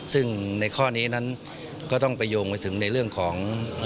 ซึ่งในข้อนี้นั้นก็ต้องไปโยงไปถึงในเรื่องของ